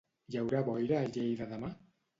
Hi haurà boira a Lleida demà?